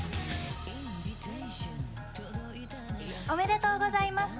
おめでとうございます。